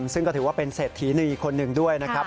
ซึ่งก็ถือว่าเป็นเศรษฐีนีอีกคนหนึ่งด้วยนะครับ